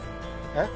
えっ？